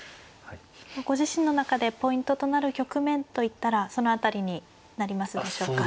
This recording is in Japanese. ご自身の中でポイントとなる局面といったらその辺りになりますでしょうか。